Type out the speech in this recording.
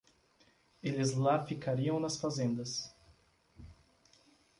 Eles lá ficariam nas fazendas.